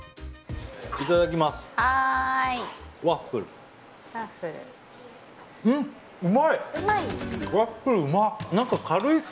いただきます。